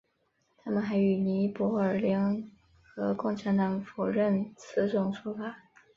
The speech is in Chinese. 他们还与尼泊尔联合共产党否认此种说法。